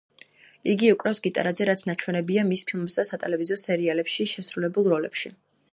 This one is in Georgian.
იგი უკრავს გიტარაზე, რაც ნაჩვენებია მის ფილმებსა და სატელევიზიო სერიალებში შესრულებულ როლებში.